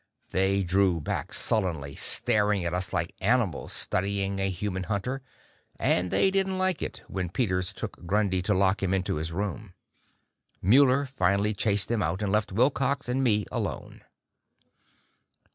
They drew back sullenly, staring at us like animals studying a human hunter, and they didn't like it when Peters took Grundy to lock him into his room. Muller finally chased them out, and left Wilcox and me alone.